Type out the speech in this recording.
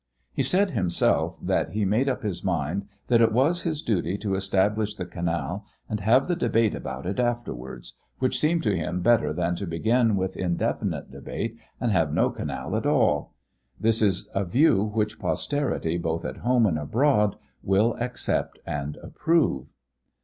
He said himself that he made up his mind that it was his duty to establish the canal and have the debate about it afterwards, which seemed to him better than to begin with indefinite debate and have no canal at all. This is a view which posterity both at home and abroad will accept and approve.